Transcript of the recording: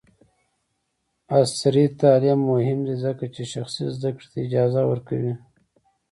عصري تعلیم مهم دی ځکه چې شخصي زدکړې ته اجازه ورکوي.